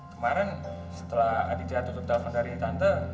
kemarin setelah aditya tutup telepon dari tante